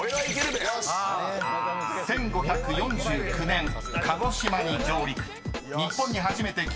［１５４９年鹿児島に上陸］